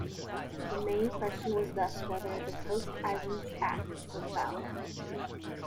The main question was thus whether the "Coast Islands Act" was valid.